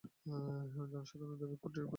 জনসাধারণের দাবি, কুট্টির ফাঁসি।